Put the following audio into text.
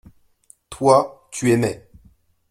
Toi, tu aimais.